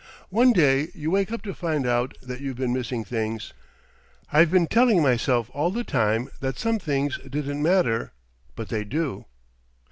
One day you wake up to find out that you've been missing things. I've been telling myself all the time that some things didn't matter, but they do."